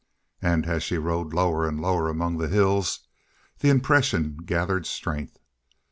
And as she rode lower and lower among the hills, the impression gathered strength.